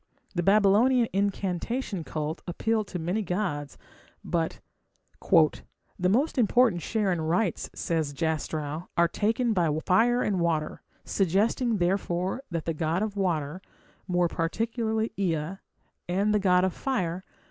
The Babylonian incantation cult appealed to many gods, but "the most important share in the rites", says Jastrow, "are taken by fire and water suggesting, therefore, that the god of water more particularly Ea and the god of fire